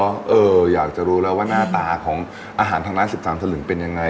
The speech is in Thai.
ก็อยากจะรู้แล้วว่าหน้าตาของอาหารทางร้าน๑๓สลึงเป็นยังไง